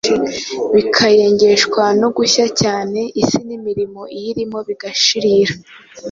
bikayengeshwa no gushya cyane, isi n’imirimo iyirimo bigashirira